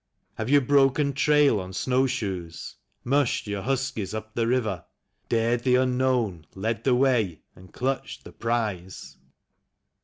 Have you broken trail on snowshoes? mushed your huskies up the river, Dared the unknown, led the way, and clutched the prize?